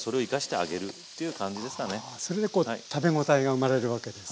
あそれでこう食べ応えが生まれるわけですね。